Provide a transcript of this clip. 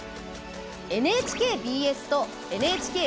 ＮＨＫＢＳとＮＨＫＢＳ